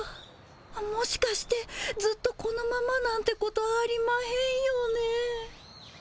あっもしかしてずっとこのままなんてことありまへんよね。